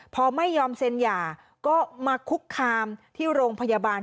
พอไม่ยอมเซ็นหย่าก็มาคุกคามที่โรงพยาบาล